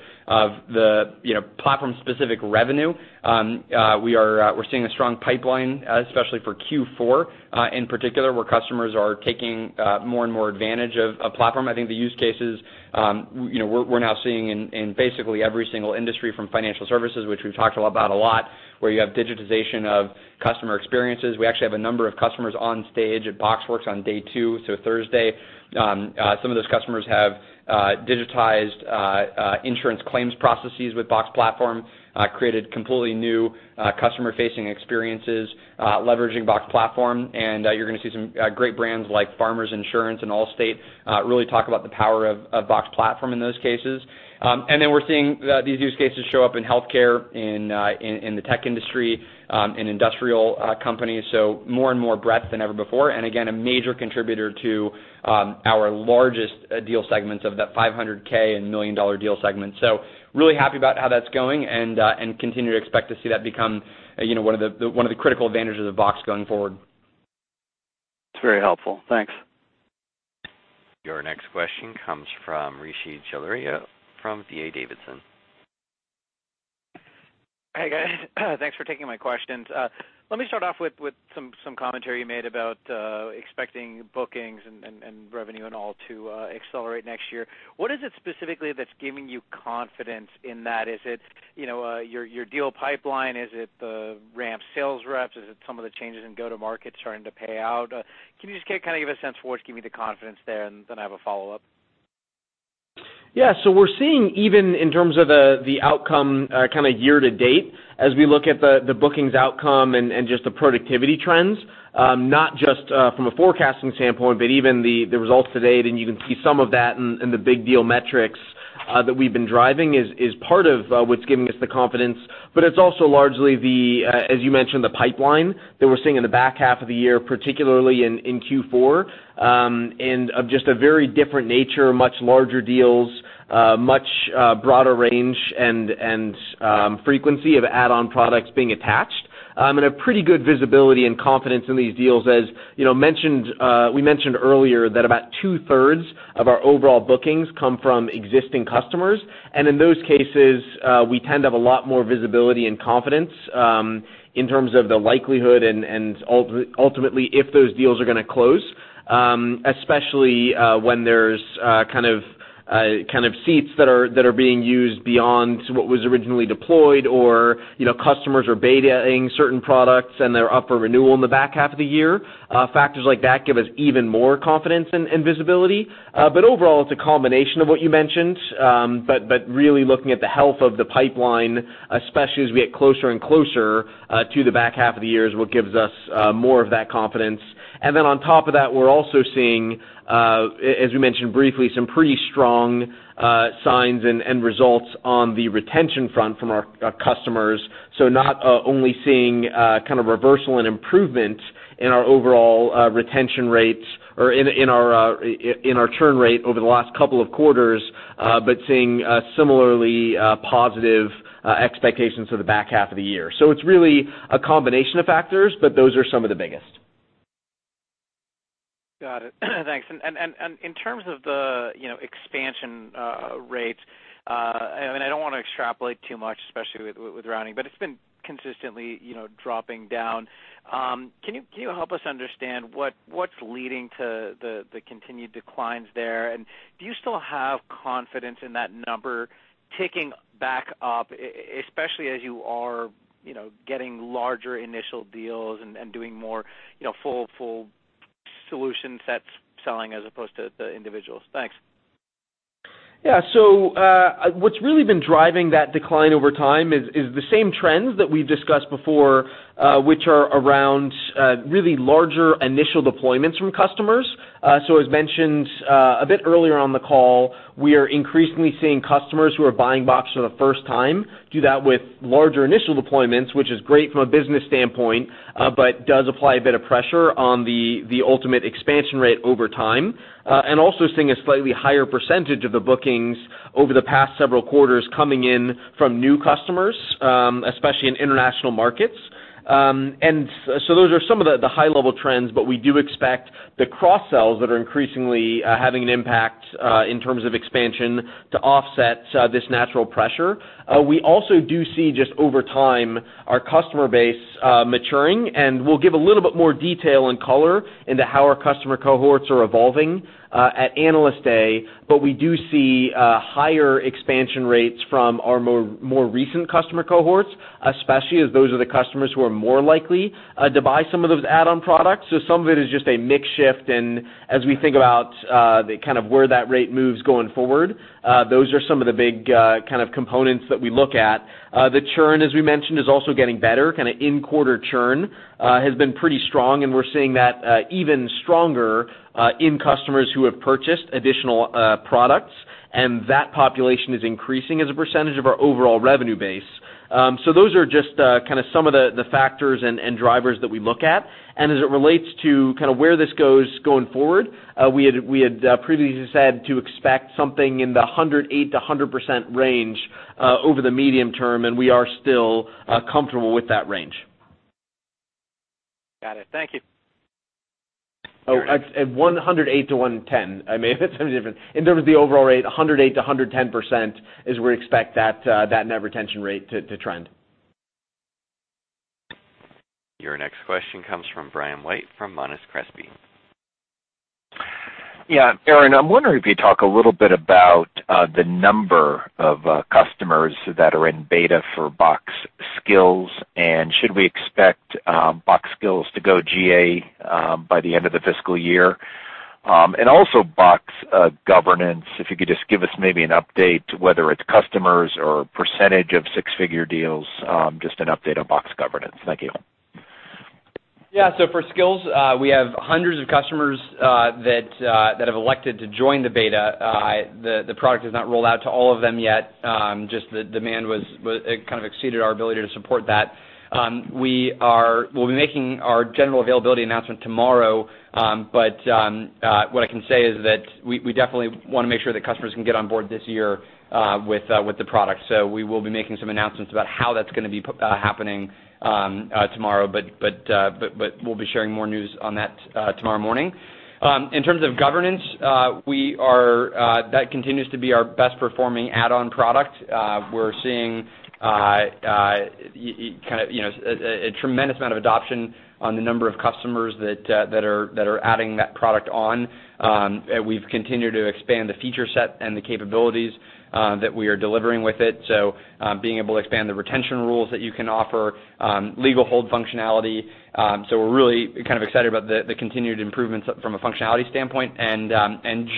the Platform-specific revenue, we're seeing a strong pipeline, especially for Q4 in particular, where customers are taking more and more advantage of Platform. I think the use cases, we're now seeing in basically every single industry from financial services, which we've talked about a lot, where you have digitization of customer experiences. We actually have a number of customers on stage at BoxWorks on day two, Thursday. Some of those customers have digitized insurance claims processes with Box Platform, created completely new customer-facing experiences leveraging Box Platform. You're going to see some great brands like Farmers Insurance and Allstate really talk about the power of Box Platform in those cases. Then we're seeing these use cases show up in healthcare, in the tech industry, in industrial companies, more and more breadth than ever before. Again, a major contributor to our largest deal segments of that $500K and million-dollar deal segment. Really happy about how that's going and continue to expect to see that become one of the critical advantages of Box going forward. That's very helpful. Thanks. Your next question comes from Rishi Jaluria from D.A. Davidson. Hey, guys. Thanks for taking my questions. Let me start off with some commentary you made about expecting bookings and revenue and all to accelerate next year. What is it specifically that's giving you confidence in that? Is it your deal pipeline? Is it the ramp sales reps? Is it some of the changes in go-to-market starting to pay out? Can you just give a sense for what's giving you the confidence there? I have a follow-up. Yeah. We're seeing, even in terms of the outcome year-to-date, as we look at the bookings outcome and just the productivity trends, not just from a forecasting standpoint, but even the results to date, and you can see some of that in the big deal metrics that we've been driving, is part of what's giving us the confidence. It's also largely the, as you mentioned, the pipeline that we're seeing in the back half of the year, particularly in Q4, and of just a very different nature, much larger deals, much broader range, and frequency of add-on products being attached, and a pretty good visibility and confidence in these deals. As we mentioned earlier, that about two-thirds of our overall bookings come from existing customers. In those cases, we tend to have a lot more visibility and confidence in terms of the likelihood and ultimately, if those deals are gonna close, especially when there's seats that are being used beyond what was originally deployed or customers are beta-ing certain products and they're up for renewal in the back half of the year. Factors like that give us even more confidence and visibility. Overall, it's a combination of what you mentioned. Really looking at the health of the pipeline, especially as we get closer and closer to the back half of the year, is what gives us more of that confidence. On top of that, we're also seeing, as we mentioned briefly, some pretty strong signs and results on the retention front from our customers. Not only seeing a reversal and improvement in our overall retention rates or in our churn rate over the last couple of quarters, but seeing similarly positive expectations for the back half of the year. It's really a combination of factors, but those are some of the biggest. Got it. Thanks. In terms of the expansion rates, and I don't want to extrapolate too much, especially with rounding, but it's been consistently dropping down. Can you help us understand what's leading to the continued declines there? Do you still have confidence in that number ticking back up, especially as you are getting larger initial deals and doing more full solution sets selling as opposed to the individuals? Thanks. What's really been driving that decline over time is the same trends that we've discussed before, which are around really larger initial deployments from customers. As mentioned a bit earlier on the call, we are increasingly seeing customers who are buying Box for the first time do that with larger initial deployments, which is great from a business standpoint, but does apply a bit of pressure on the ultimate expansion rate over time. Also seeing a slightly higher percentage of the bookings over the past several quarters coming in from new customers, especially in international markets. Those are some of the high-level trends, but we do expect the cross-sells that are increasingly having an impact in terms of expansion to offset this natural pressure. We also do see, just over time, our customer base maturing, and we'll give a little bit more detail and color into how our customer cohorts are evolving at Analyst Day. We do see higher expansion rates from our more recent customer cohorts, especially as those are the customers who are more likely to buy some of those add-on products. Some of it is just a mix shift, and as we think about where that rate moves going forward, those are some of the big components that we look at. The churn, as we mentioned, is also getting better. In-quarter churn has been pretty strong, and we're seeing that even stronger in customers who have purchased additional products. That population is increasing as a percentage of our overall revenue base. Those are just some of the factors and drivers that we look at. As it relates to where this goes going forward, we had previously said to expect something in the 108%-100% range over the medium term, and we are still comfortable with that range. Got it. Thank you. Oh, 108 to 110. I mean, if it's any different. In terms of the overall rate, 108%-110% is we expect that net retention rate to trend. Your next question comes from Brian White, from Monness, Crespi. Yeah. Aaron, I'm wondering if you'd talk a little bit about the number of customers that are in beta for Box Skills. Should we expect Box Skills to go GA by the end of the fiscal year? Also Box Governance, if you could just give us maybe an update, whether it's customers or percentage of six-figure deals, just an update on Box Governance. Thank you. Yeah. For Skills, we have hundreds of customers that have elected to join the beta. The product is not rolled out to all of them yet. Just the demand exceeded our ability to support that. We'll be making our general availability announcement tomorrow, but what I can say is that we definitely want to make sure that customers can get on board this year with the product. We will be making some announcements about how that's going to be happening tomorrow, but we'll be sharing more news on that tomorrow morning. In terms of Governance, that continues to be our best-performing add-on product. We're seeing a tremendous amount of adoption on the number of customers that are adding that product on. We've continued to expand the feature set and the capabilities that we are delivering with it, so being able to expand the retention rules that you can offer, legal hold functionality. We're really excited about the continued improvements from a functionality standpoint.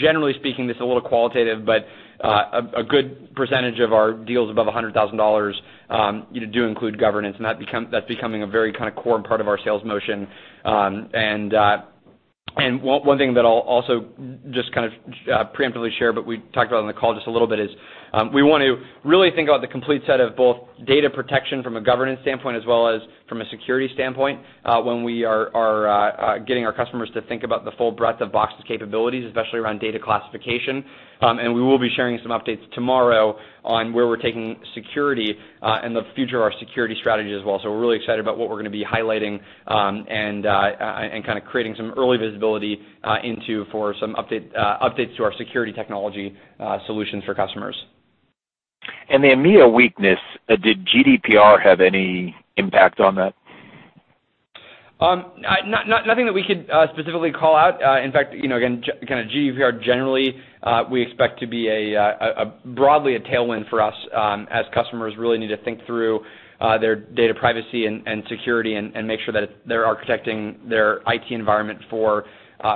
Generally speaking, this is a little qualitative, but a good percentage of our deals above $100,000 do include Governance, and that's becoming a very core part of our sales motion. One thing that I'll also just preemptively share, but we talked about on the call just a little bit, is we want to really think about the complete set of both data protection from a governance standpoint as well as from a security standpoint, when we are getting our customers to think about the full breadth of Box's capabilities, especially around data classification. We will be sharing some updates tomorrow on where we're taking security, and the future of our security strategy as well. We're really excited about what we're going to be highlighting, and creating some early visibility into for some updates to our security technology solutions for customers. The EMEA weakness, did GDPR have any impact on that? Nothing that we could specifically call out. In fact, again, GDPR generally, we expect to be broadly a tailwind for us, as customers really need to think through their data privacy and security and make sure that they are protecting their IT environment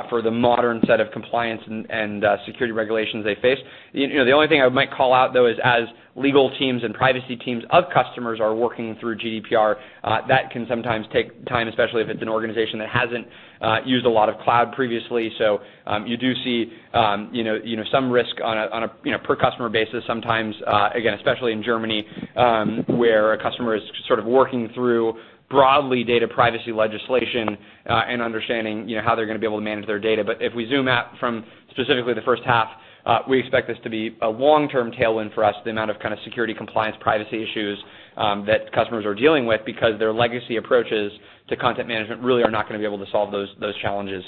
for the modern set of compliance and security regulations they face. The only thing I might call out, though, is as legal teams and privacy teams of customers are working through GDPR, that can sometimes take time, especially if it's an organization that hasn't used a lot of cloud previously. You do see some risk on a per customer basis sometimes, again, especially in Germany, where a customer is sort of working through, broadly, data privacy legislation, and understanding how they're going to be able to manage their data. If we zoom out from specifically the first half, we expect this to be a long-term tailwind for us, the amount of security compliance privacy issues that customers are dealing with because their legacy approaches to content management really are not going to be able to solve those challenges.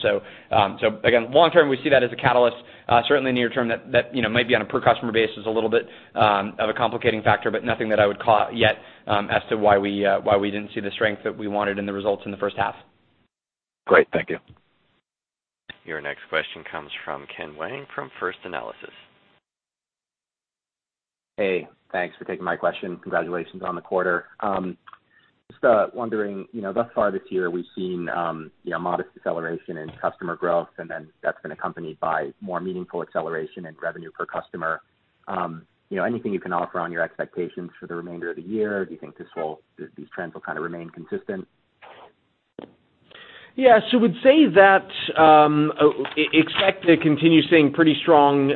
Again, long term, we see that as a catalyst. Certainly near term, that might be on a per customer basis, a little bit of a complicating factor, but nothing that I would call out yet as to why we didn't see the strength that we wanted in the results in the first half. Great. Thank you. Your next question comes from Ken Wang from First Analysis. Hey, thanks for taking my question. Congratulations on the quarter. Just wondering, thus far this year, we've seen modest deceleration in customer growth, and then that's been accompanied by more meaningful acceleration in revenue per customer. Anything you can offer on your expectations for the remainder of the year? Do you think these trends will remain consistent? We'd say that expect to continue seeing pretty strong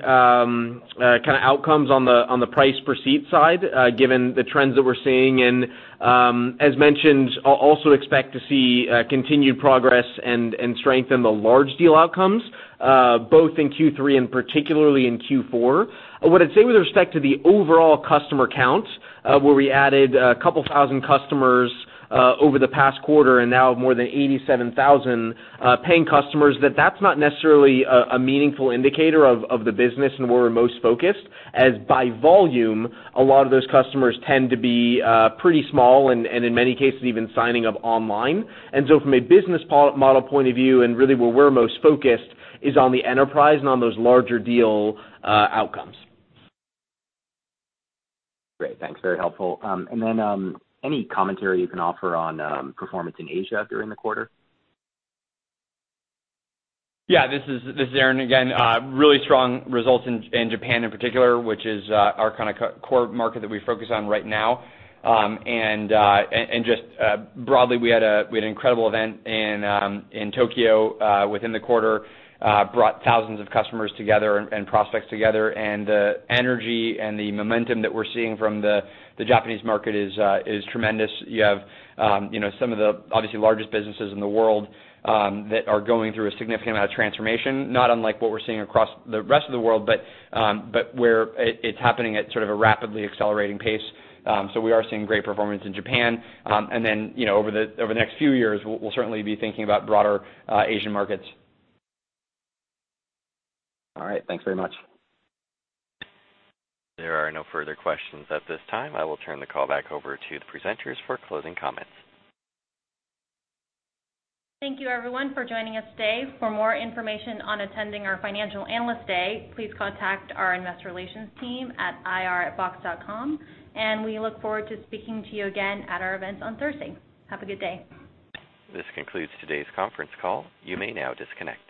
outcomes on the price per seat side, given the trends that we're seeing, and as mentioned, also expect to see continued progress and strength in the large deal outcomes, both in Q3 and particularly in Q4. What I'd say with respect to the overall customer count, where we added a couple thousand customers over the past quarter and now have more than 87,000 paying customers, that that's not necessarily a meaningful indicator of the business and where we're most focused, as by volume, a lot of those customers tend to be pretty small, and in many cases, even signing up online. From a business model point of view, and really where we're most focused is on the enterprise and on those larger deal outcomes. Great. Thanks. Very helpful. Any commentary you can offer on performance in Asia during the quarter? This is Aaron again. Really strong results in Japan in particular, which is our core market that we focus on right now. Just broadly, we had an incredible event in Tokyo within the quarter, brought thousands of customers together and prospects together. The energy and the momentum that we're seeing from the Japanese market is tremendous. You have some of the, obviously, largest businesses in the world that are going through a significant amount of transformation, not unlike what we're seeing across the rest of the world, but where it's happening at sort of a rapidly accelerating pace. We are seeing great performance in Japan. Over the next few years, we'll certainly be thinking about broader Asian markets. All right. Thanks very much. There are no further questions at this time. I will turn the call back over to the presenters for closing comments. Thank you everyone for joining us today. For more information on attending our Financial Analyst Day, please contact our investor relations team at ir@box.com. We look forward to speaking to you again at our event on Thursday. Have a good day. This concludes today's conference call. You may now disconnect.